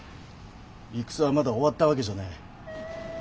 戦はまだ終わったわけじゃねえ。